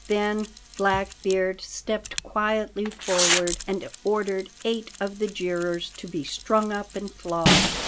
Then Blackbeard stepped quietly forward and ordered eight of the jeerers to be strung up and flogged.